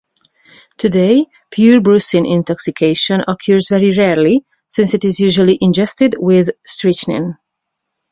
Today, pure brucine intoxication occurs very rarely, since it is usually ingested with strychnine.